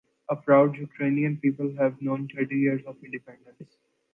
A proud Ukrainian people have known thirty years of independence.